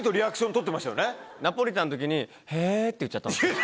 ナポリタンのときに「へぇ」って言っちゃったんですよ。